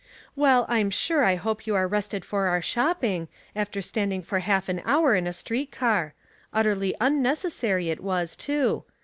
"Well, I'm sure I hope you are rested for our shopping, after standing for half an hour in a street car. Utterly unnecessary it was, too.